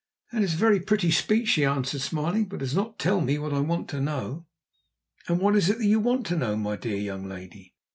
"That is a very pretty speech," she answered, smiling, "but it does not tell me what I want to know." "And what is it that you want to know, my dear young lady?"